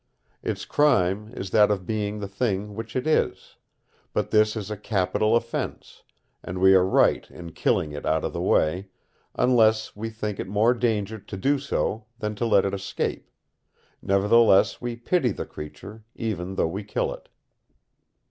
Its crime is that of being the thing which it is: but this is a capital offence, and we are right in killing it out of the way, unless we think it more danger to do so than to let it escape; nevertheless we pity the creature, even though we kill it.